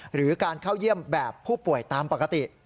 หรือการเข้าเยี่ยมแบบผู้ป่วยตามปกติ